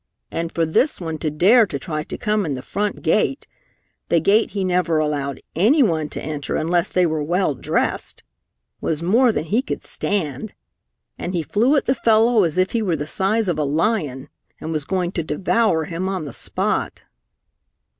And for this one to dare to try to come in the front gate the gate he never allowed anyone to enter unless they were well dressed was more than he could stand, and he flew at the fellow as if he were the size of a lion and was going to devour him on the spot.